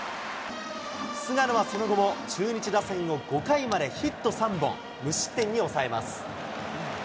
菅野は、その後も中日打線を５回までヒット３本目、無失点に抑えます。